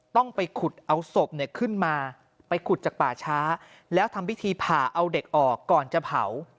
ต้องไปขุดเอาศพเนี่ยขึ้นมาไปขุดจากป่าช้าแล้วทำพิธีผ่าเอาเด็กออกก่อนจะเผา